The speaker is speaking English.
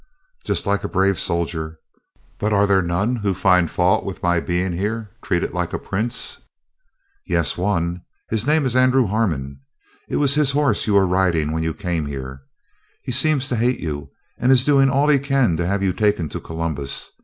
"Just like a brave soldier; but are there none who find fault with my being here treated like a prince?" "Yes, one. His name is Andrew Harmon. It was his horse you were riding when you came here. He seems to hate you, and is doing all he can to have you taken to Columbus.